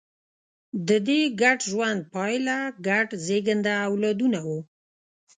د دې ګډ ژوند پایله ګډ زېږنده اولادونه وو.